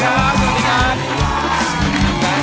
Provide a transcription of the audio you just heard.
สวัสดีครับ